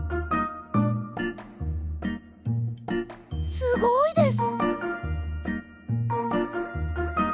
すごいです。